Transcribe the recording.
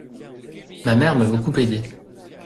Ma mère m’a beaucoup aidé.